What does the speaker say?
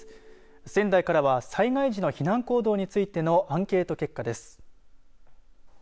仙台からは災害時の避難行動についてのアンケート結果です。